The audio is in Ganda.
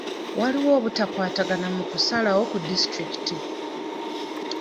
Waliwo obutakwatagana mu kusalawo ku disitulikiti.